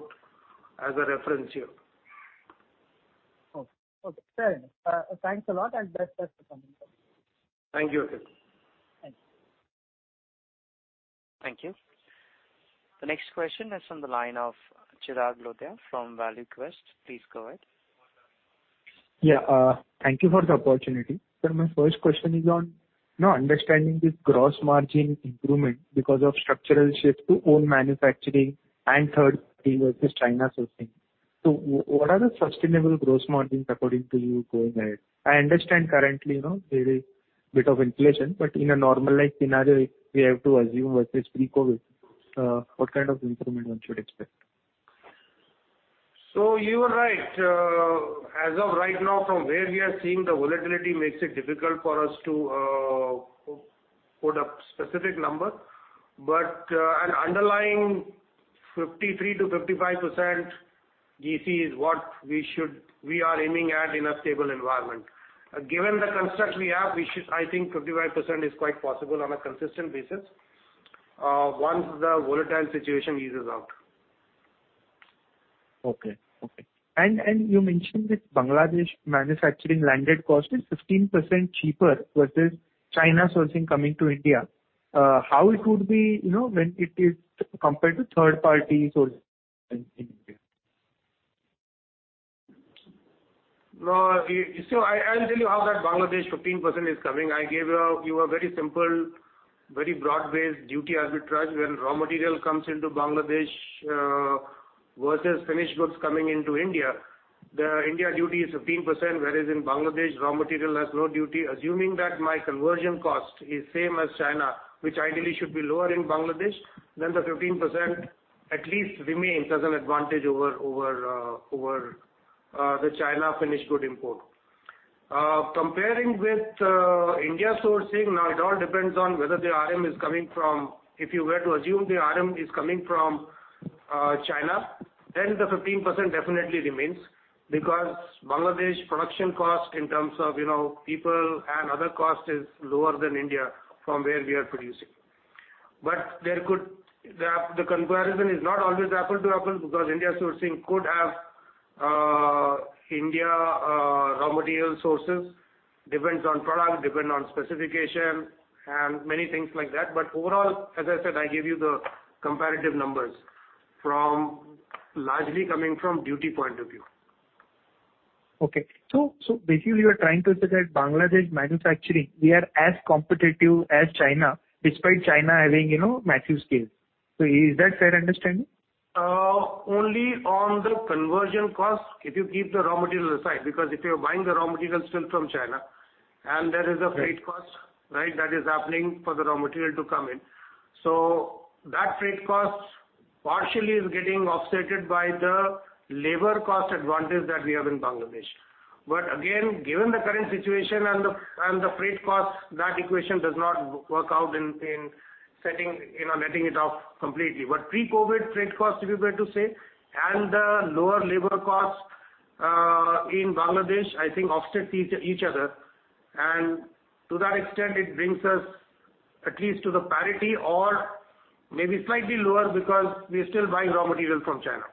Speaker 2: as a reference here.
Speaker 10: Okay. Okay. Sir, thanks a lot, and best of luck.
Speaker 2: Thank you, Akhil.
Speaker 10: Thank you.
Speaker 1: Thank you. The next question is from the line of Chirag Lodaya from ValueQuest. Please go ahead.
Speaker 11: Yeah. Thank you for the opportunity. Sir, my first question is on understanding this Gross Margin improvement because of structural shift to own manufacturing and third-party versus China sourcing. So what are the sustainable gross margins, according to you, going ahead? I understand currently there is a bit of inflation, but in a normalized scenario, if we have to assume versus pre-COVID, what kind of improvement one should expect?
Speaker 2: So you are right. As of right now, from where we are seeing, the volatility makes it difficult for us to put a specific number. But an underlying 53%-55% GC is what we are aiming at in a stable environment. Given the construct we have, I think 55% is quite possible on a consistent basis once the volatile situation eases out.
Speaker 11: Okay. Okay. And you mentioned that Bangladesh manufacturing landed cost is 15% cheaper versus China sourcing coming to India. How it would be when it is compared to third-party sourcing in India?
Speaker 2: No, so I'll tell you how that Bangladesh 15% is coming. I gave you a very simple, very broad-based duty arbitrage. When raw material comes into Bangladesh versus finished goods coming into India, the India duty is 15%, whereas in Bangladesh, raw material has no duty. Assuming that my conversion cost is same as China, which ideally should be lower in Bangladesh, then the 15% at least remains as an advantage over the China finished good import. Comparing with India sourcing, now it all depends on whether the RM is coming from if you were to assume the RM is coming from China, then the 15% definitely remains because Bangladesh production cost in terms of people and other costs is lower than India from where we are producing. But the comparison is not always apples to apples because India sourcing could have India raw material sources. Depends on product, depend on specification, and many things like that. But overall, as I said, I gave you the comparative numbers largely coming from duty point of view.
Speaker 11: Okay. So basically, you are trying to suggest Bangladesh manufacturing, we are as competitive as China despite China having massive scale. So is that fair understanding?
Speaker 2: Only on the conversion cost if you keep the raw material aside because if you're buying the raw material still from China and there is a freight cost, right, that is happening for the raw material to come in. So that freight cost partially is getting offset by the labor cost advantage that we have in Bangladesh. But again, given the current situation and the freight cost, that equation does not work out in letting it off completely. But pre-COVID freight cost, if you were to say, and the lower labor cost in Bangladesh, I think, offset each other. And to that extent, it brings us at least to the parity or maybe slightly lower because we're still buying raw material from China.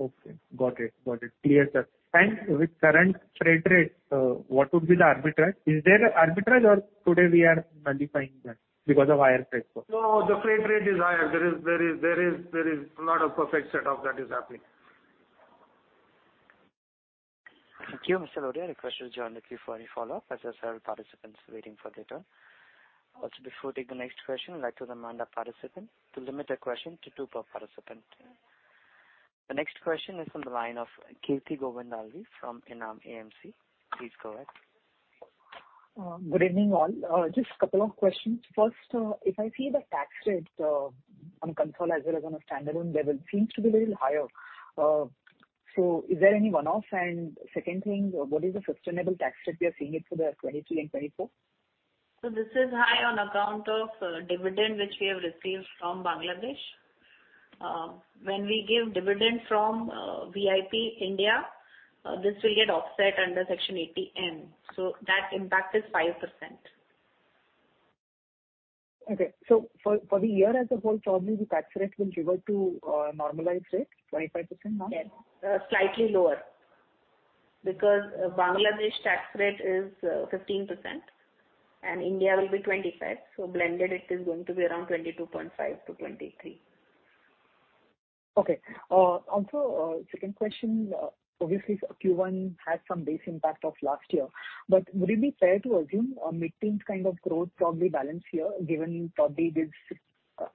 Speaker 11: Okay. Got it. Got it. Clear, sir. And with current freight rates, what would be the arbitrage? Is there arbitrage, or today we are modifying that because of higher freight costs?
Speaker 2: No, the freight rate is higher. There is not a perfect setup that is happening.
Speaker 1: Thank you. Mr. Lodaya had a question to join the queue for any follow-up, as I said, all participants waiting for their turn. Also, before we take the next question, I'd like to remind our participants to limit their questions to two per participant. The next question is from the line of Kirti Dalvi from ENAM AMC. Please go ahead.
Speaker 12: Good evening, all. Just a couple of questions. First, if I see the tax rate on a consolidated as well as on a standalone level, it seems to be a little higher. So is there any one-off? And second thing, what is the sustainable tax rate we are seeing for the 2023 and 2024?
Speaker 3: So this is high on account of dividend which we have received from Bangladesh. When we give dividend from VIP India, this will get offset under Section 80M. So that impact is 5%.
Speaker 12: Okay. So for the year as a whole, probably the tax rate will drift to a normalized rate, 25% now?
Speaker 3: Yes, slightly lower because Bangladesh tax rate is 15% and India will be 25%. So blended, it is going to be around 22.5%-23%.
Speaker 12: Okay. Also, second question, obviously, Q1 has some base impact of last year. But would it be fair to assume a mid-teens kind of growth probably balance here given probably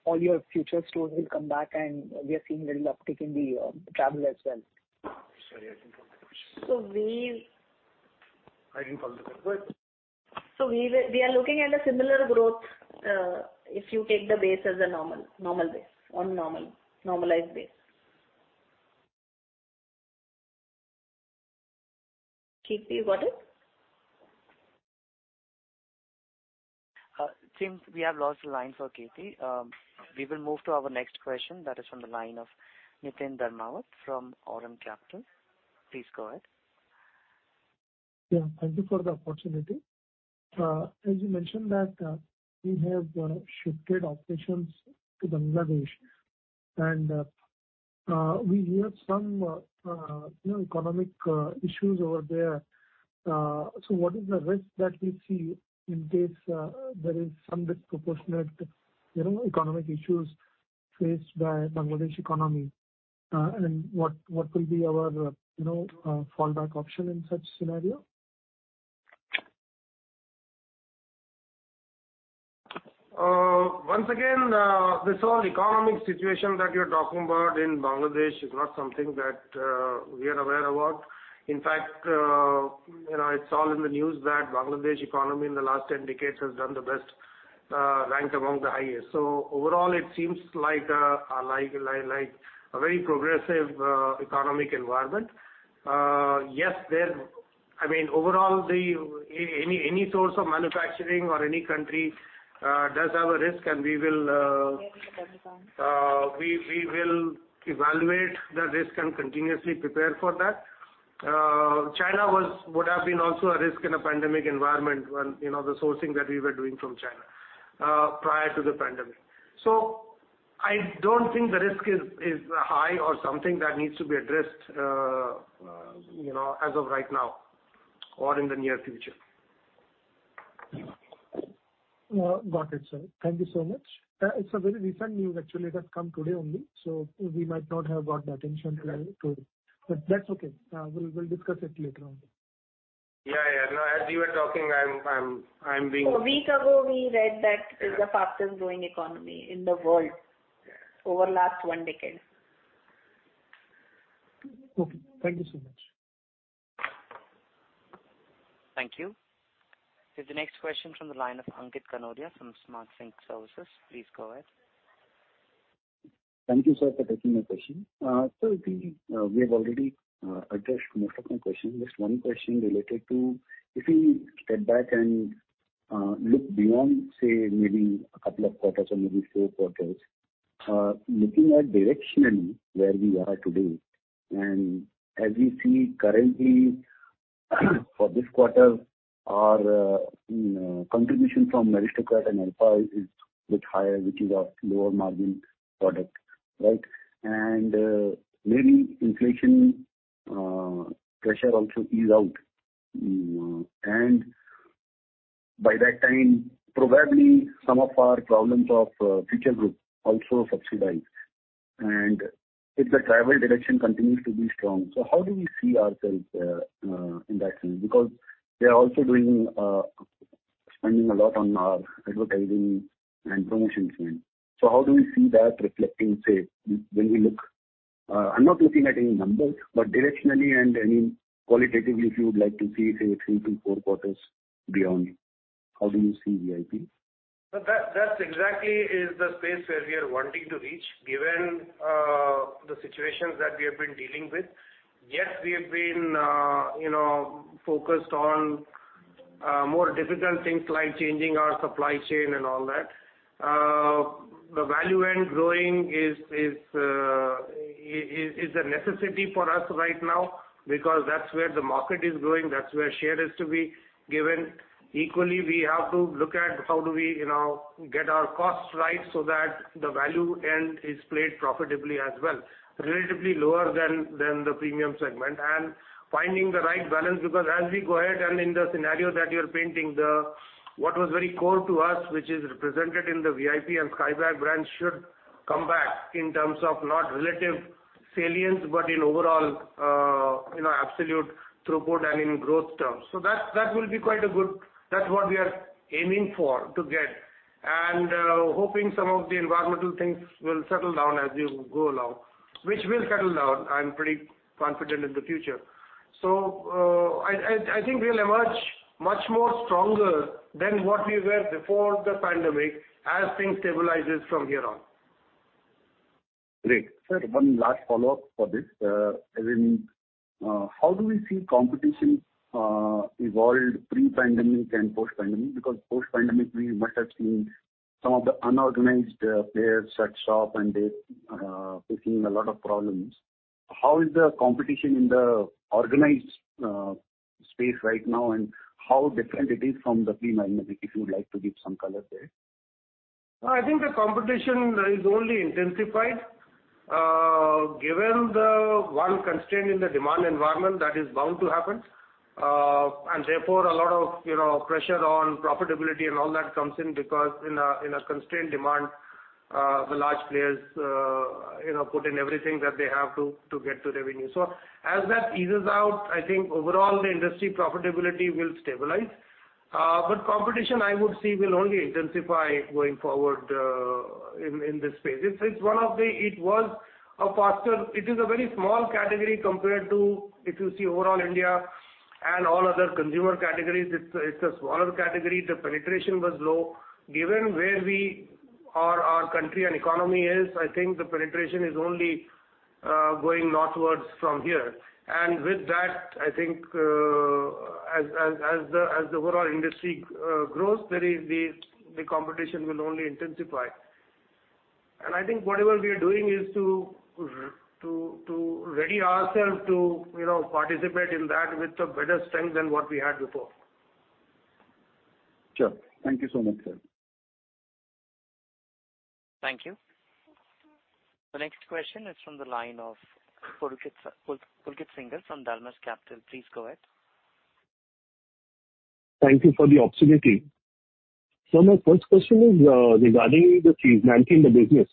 Speaker 12: all your future stores will come back, and we are seeing a little uptick in the travel as well?
Speaker 2: Sorry, I didn't follow the question.
Speaker 3: So we.
Speaker 2: I didn't follow the question. Go ahead.
Speaker 3: We are looking at a similar growth if you take the base as a normal base, on a normalized base. Kirti, you got it?
Speaker 1: Seems we have lost the line for Kirti. We will move to our next question. That is from the line of Niteen Dharmawat from Aurum Capital. Please go ahead.
Speaker 13: Yeah. Thank you for the opportunity. As you mentioned, we have shifted operations to Bangladesh, and we hear some economic issues over there. So what is the risk that we see in case there is some disproportionate economic issues faced by the Bangladesh economy, and what will be our fallback option in such a scenario?
Speaker 2: Once again, this whole economic situation that you're talking about in Bangladesh is not something that we are aware of. In fact, it's all in the news that the Bangladesh economy in the last 10 decades has done the best rank among the highest. So overall, it seems like a very progressive economic environment. Yes, I mean, overall, any source of manufacturing or any country does have a risk, and we will evaluate that risk and continuously prepare for that. China would have been also a risk in a pandemic environment when the sourcing that we were doing from China prior to the pandemic. So I don't think the risk is high or something that needs to be addressed as of right now or in the near future.
Speaker 13: Got it, sir. Thank you so much. It's a very recent news, actually. It has come today only, so we might not have gotten attention to it. But that's okay. We'll discuss it later on.
Speaker 2: Yeah, yeah. No, as you were talking, I'm being.
Speaker 3: A week ago, we read that it is a fastest-growing economy in the world over the last one decade.
Speaker 13: Okay. Thank you so much.
Speaker 1: Thank you. The next question is from the line of Ankit Kanodia from Smart Sync Services. Please go ahead.
Speaker 14: Thank you, sir, for taking my question. Sir, we have already addressed most of my questions. Just one question related to if we step back and look beyond, say, maybe a couple of quarters or maybe four quarters, looking at directionally where we are today and as we see currently for this quarter, our contribution from Aristocrat and Alfa is a bit higher, which is our lower-margin product, right? And maybe inflation pressure also eased out. And by that time, probably some of our problems of Future Group also subsided. And if the travel direction continues to be strong, so how do we see ourselves in that sense? Because we are also spending a lot on our advertising and promotion spend. So how do we see that reflecting, say, when we look? I'm not looking at any numbers, but directionally and qualitatively, if you would like to see, say, three to four quarters beyond, how do you see VIP?
Speaker 2: That exactly is the space where we are wanting to reach given the situations that we have been dealing with. Yes, we have been focused on more difficult things like changing our supply chain and all that. The value end growing is a necessity for us right now because that's where the market is growing. That's where share is to be given. Equally, we have to look at how do we get our costs right so that the value end is played profitably as well, relatively lower than the premium segment, and finding the right balance because as we go ahead and in the scenario that you're painting, what was very core to us, which is represented in the VIP and Skybags brands, should come back in terms of not relative salience but in overall absolute throughput and in growth terms. So that will be quite a good; that's what we are aiming for to get and hoping some of the environmental things will settle down as you go along, which will settle down, I'm pretty confident, in the future. So I think we'll emerge much more stronger than what we were before the pandemic as things stabilize from here on.
Speaker 14: Great. Sir, one last follow-up for this. How do we see competition evolve pre-pandemic and post-pandemic? Because post-pandemic, we must have seen some of the unorganized players shut shop, and they're facing a lot of problems. How is the competition in the organized space right now, and how different it is from the pre-pandemic, if you would like to give some color there?
Speaker 2: I think the competition is only intensified given one constraint in the demand environment that is bound to happen. Therefore, a lot of pressure on profitability and all that comes in because in a constrained demand, the large players put in everything that they have to get to revenue. So as that eases out, I think overall, the industry profitability will stabilize. But competition, I would see, will only intensify going forward in this space. It is a very small category compared to if you see overall India and all other consumer categories; it's a smaller category. The penetration was low. Given where our country and economy is, I think the penetration is only going northwards from here. And with that, I think as the overall industry grows, the competition will only intensify. I think whatever we are doing is to ready ourselves to participate in that with a better strength than what we had before.
Speaker 14: Sure. Thank you so much, sir.
Speaker 1: Thank you. The next question is from the line of Pulkit Singhal from Dalmus Capital. Please go ahead.
Speaker 15: Thank you for the opportunity. Sir, my first question is regarding the seasonality in the business.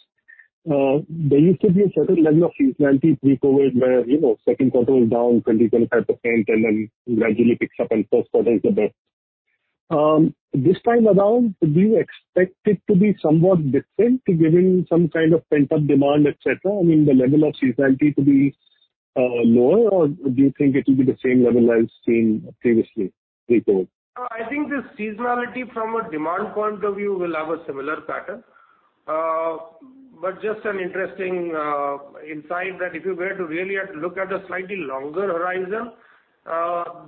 Speaker 15: There used to be a certain level of seasonality pre-COVID where second quarter was down 20%-25%, and then gradually picks up, and first quarter is the best. This time around, do you expect it to be somewhat different given some kind of pent-up demand, etc.? I mean, the level of seasonality to be lower, or do you think it will be the same level as seen previously pre-COVID?
Speaker 2: I think the seasonality from a demand point of view will have a similar pattern. But just an interesting insight that if you were to really look at a slightly longer horizon,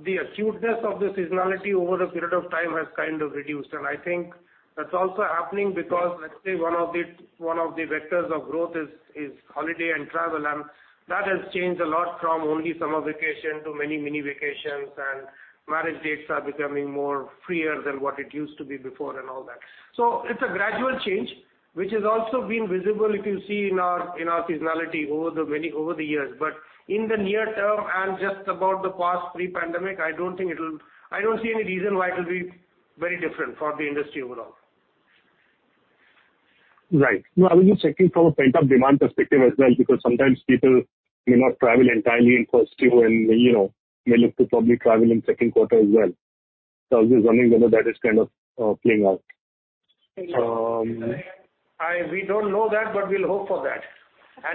Speaker 2: the acuteness of the seasonality over a period of time has kind of reduced. And I think that's also happening because, let's say, one of the vectors of growth is holiday and travel. And that has changed a lot from only summer vacation to many, many vacations. And marriage dates are becoming more freer than what it used to be before and all that. So it's a gradual change, which has also been visible, if you see, in our seasonality over the years. But in the near term and just about the past pre-pandemic, I don't think. I don't see any reason why it'll be very different for the industry overall.
Speaker 15: Right. No, I would just check it from a pent-up demand perspective as well because sometimes people may not travel entirely in first Q, and they may look to probably travel in second quarter as well. So I'm just wondering whether that is kind of playing out.
Speaker 2: We don't know that, but we'll hope for that.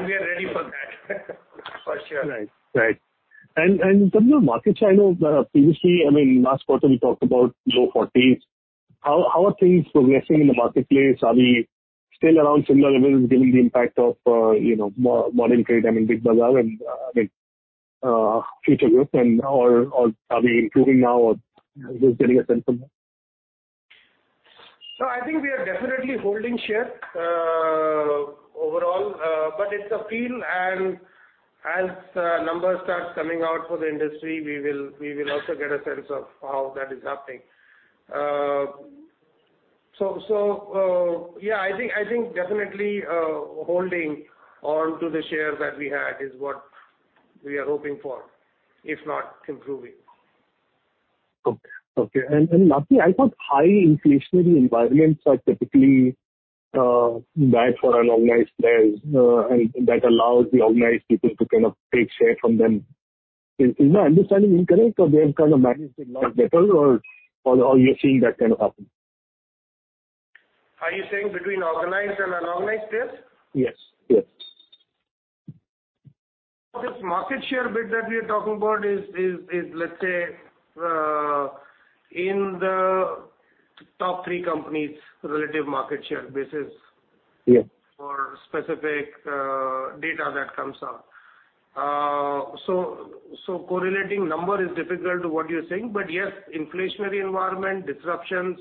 Speaker 2: We are ready for that, for sure.
Speaker 15: Right, right. In terms of markets, I know previously, I mean, last quarter, we talked about low 40s. How are things progressing in the marketplace? Are we still around similar levels given the impact of modern trade, I mean, Big Bazaar and Future Group, or are we improving now, or just getting a sense of that?
Speaker 2: So I think we are definitely holding share overall. But it's a feel. And as numbers start coming out for the industry, we will also get a sense of how that is happening. So yeah, I think definitely holding onto the share that we had is what we are hoping for, if not improving.
Speaker 15: Okay. Lastly, I thought high inflationary environments are typically bad for unorganized players and that allows the organized people to kind of take share from them. Is my understanding incorrect, or they have kind of managed it much better, or are you seeing that kind of happen?
Speaker 2: Are you saying between organized and unorganized players?
Speaker 15: Yes, yes.
Speaker 2: This market share bit that we are talking about is, let's say, in the top three companies' relative market share basis for specific data that comes out. So correlating numbers is difficult to what you're saying. But yes, inflationary environment, disruptions,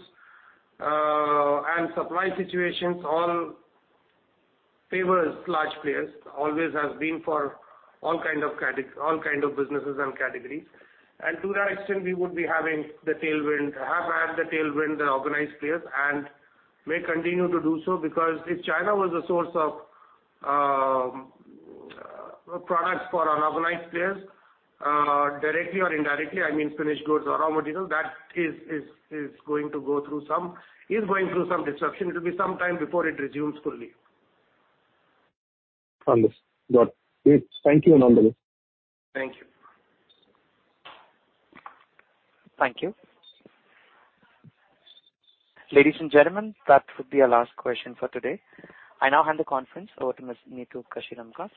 Speaker 2: and supply situations all favors large players. Always has been for all kinds of businesses and categories. And to that extent, we would be having the tailwind have had the tailwind, the organized players, and may continue to do so because if China was a source of products for unorganized players directly or indirectly, I mean, finished goods or raw materials, that is going to go through some is going through some disruption. It'll be some time before it resumes fully.
Speaker 15: Understood. Great. Thank you, Anindya.
Speaker 2: Thank you.
Speaker 1: Thank you. Ladies and gentlemen, that would be our last question for today. I now hand the conference over to Ms. Neetu Kashiramka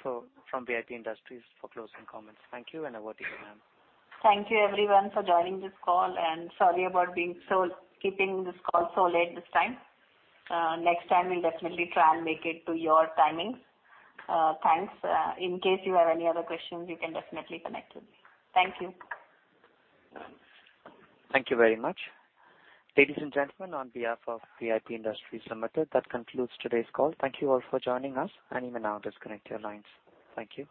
Speaker 1: from VIP Industries for closing comments. Thank you, and over to you, ma'am.
Speaker 3: Thank you, everyone, for joining this call. Sorry about keeping this call so late this time. Next time, we'll definitely try and make it to your timings. Thanks. In case you have any other questions, you can definitely connect with me. Thank you.
Speaker 1: Thank you very much. Ladies and gentlemen, on behalf of VIP Industries Limited, that concludes today's call. Thank you all for joining us. And even now, disconnect your lines. Thank you.